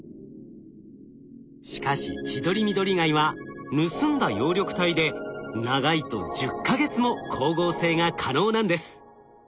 しかしチドリミドリガイは盗んだ葉緑体で長いと１０か月も光合成が可能なんです。